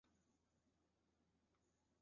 成化六年出生。